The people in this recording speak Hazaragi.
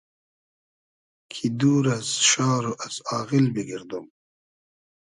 کی دور از شار و از آغیل بیگئردوم